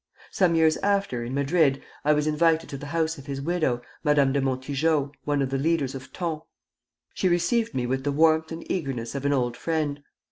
Some years after, in Madrid, I was invited to the house of his widow, Madame de Montijo, one of the leaders of ton. She received me with the warmth and eagerness of an old friend.